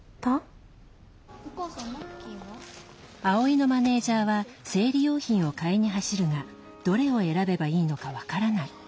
アオイのマネージャーは生理用品を買いに走るがどれを選べばいいのか分からない。